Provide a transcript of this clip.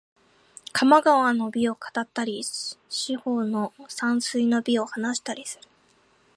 鴨川の美を語ったり、四方の山水の美を話したりする